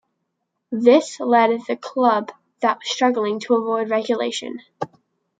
This led that club was struggling to avoid relegation.